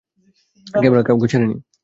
Camera কাউকে ছাড়েনি।